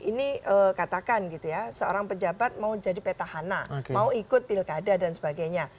ini katakan gitu ya seorang pejabat mau jadi petahana mau ikut pilkada dan sebagainya